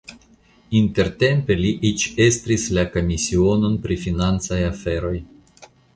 Intertempe li eĉ estris la komisiononon pri financaj aferoj.